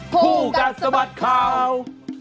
ผู้กันสมัดข่าว